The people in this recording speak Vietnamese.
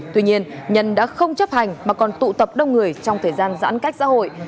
tuy nhiên nhân đã không chấp hành mà còn tụ tập đông người trong thời gian giãn cách xã hội